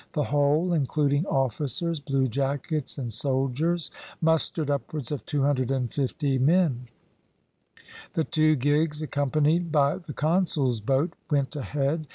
The whole, including officers, bluejackets and soldiers, mustered upwards of 250 men. The two gigs, accompanied by the consul's boat, went ahead.